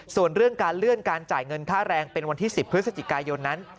ส่วนเรื่องการเลื่อนการจ่ายเงินค่าแรงเป็นวันที่๑๐พฤศจิกายนนั้น